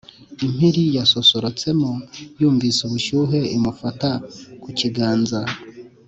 impiri yasosorotsemo yumvise ubushyuhe imufata ku kiganza